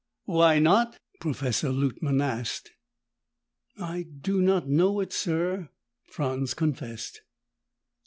"Why not?" Professor Luttman asked. "I do not know it, sir," Franz confessed.